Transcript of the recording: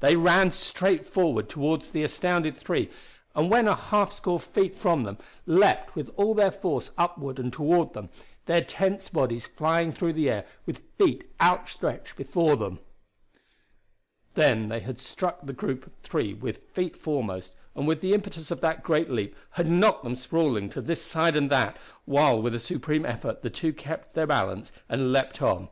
They ran straight forward toward the astounded three, and when a half score feet from them, leaped with all their force upward and toward them, their tensed bodies flying through the air with feet outstretched before them. Then they had struck the group of three with feet foremost, and with the impetus of that great leap had knocked them sprawling to this side and that, while with a supreme effort the two kept their balance and leaped on.